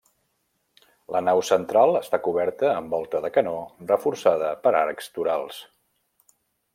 La nau central està coberta amb volta de canó reforçada per arcs torals.